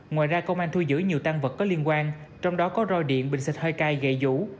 ngoài ra công an thu giữ nhiều tăng vật có liên quan trong đó có rôi điện bình xịt hơi cay gậy vũ